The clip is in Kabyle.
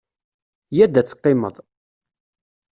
Yya-d ad teqqimeḍ.